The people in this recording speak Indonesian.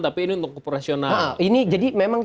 tapi ini untuk operasional